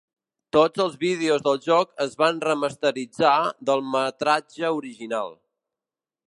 Tots els vídeos del joc es van remasteritzar del metratge original.